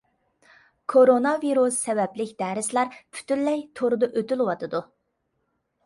كورونا ۋىرۇسى سەۋەبلىك دەرسلەر پۈتۈنلەي توردا ئۆتۈلۈۋاتىدۇ.